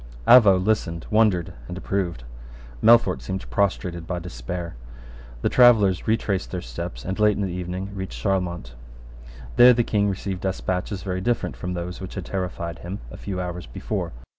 Avaux listened, wondered, and approved. Melfort seemed prostrated by despair. The travellers retraced their steps, and, late in the evening, reached Charlemont. There the King received despatches very different from those which had terrified him a few hours before.